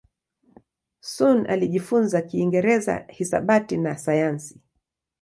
Sun alijifunza Kiingereza, hisabati na sayansi.